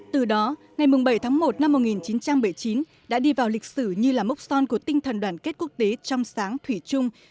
từ đó ngày bảy tháng một năm một nghìn chín trăm bảy mươi chín đã đi vào lịch sử như là mốc son của tinh thần đoàn kết quốc tế trong sáng thủy chung